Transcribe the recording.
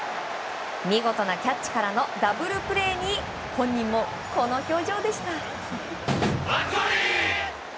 見事なキャッチからのダブルプレーに本人もこの表情でした。